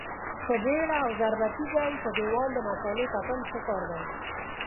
په بېړه او ضربتي ډول په دېوال د مسالې تپل ښه کار دی.